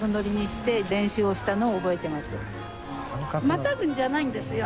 またぐんじゃないんですよ。